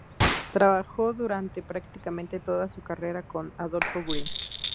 Trabajó durante prácticamente toda su carrera con Adolph Green.